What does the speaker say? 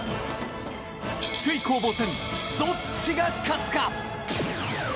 首位攻防戦、どっちが勝つか？